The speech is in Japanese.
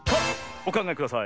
おかんがえください。